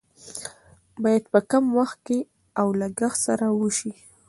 باید په کم وخت او لګښت سره وشي.